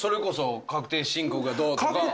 確定申告がどうとか。